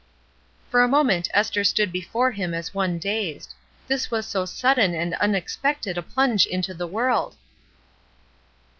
For a moment Esther stood before him as 230 ESTER RIED'S NAMESAKE one dazed; this was so sudden and unexpected a plunge into the world